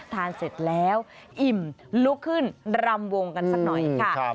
ทานเสร็จแล้วอิ่มลุกขึ้นรำวงกันสักหน่อยค่ะ